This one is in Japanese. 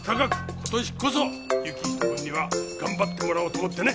今年こそ行人君には頑張ってもらおうと思ってね。